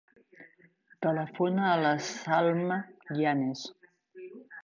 Telefona a la Salma Yanes.